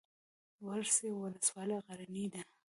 ورس ولسوالۍ غرنۍ ده؟